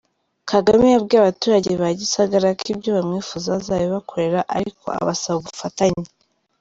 Kagame yabwiye abaturage ba Gisagara ko ibyo bamwifuzaho azabibakorera, ariko abasaba ubufatanye.